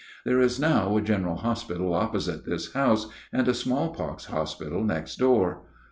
There is now a general hospital opposite this house, and a smallpox hospital next door.